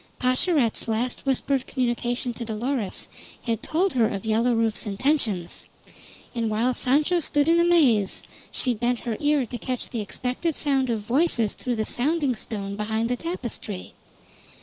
Pascherette's last whispered communication to Dolores had told her of Yellow Rufe's intentions; and while Sancho stood in amaze, she bent her ear to catch the expected sound of voices through the sounding stone behind the tapestry.